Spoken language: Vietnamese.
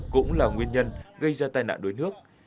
cũng là nguyên nhân gây ra tai nạn đuối nước